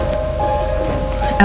tidak ada yang bisa diberikan